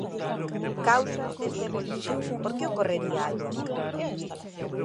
Causas desta evolución Por que ocorrería algo así?